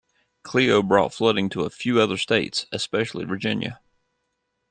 Cleo brought flooding to a few other states, especially Virginia.